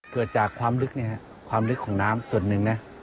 เกิดจากความลึกของน้ำส่วนหนึ่ง